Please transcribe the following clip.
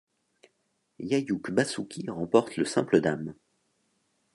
Yayuk Basuki remporte le simple dames.